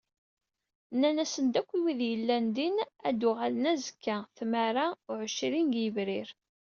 Nnan-asen-d yakk i wid yellan din ad d-uɣalen azekka tmara u εecrin deg yebrir